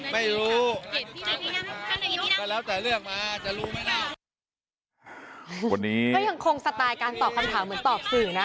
เพราะยังคงสไตล์การตอบคำถามเหมือนตอบสื่อนะ